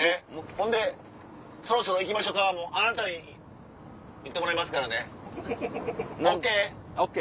ほんで「そろそろ行きましょか」もあなたに言ってもらいますからね。ＯＫ？ＯＫ。